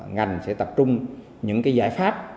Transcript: ngành sẽ tập trung những cái giải pháp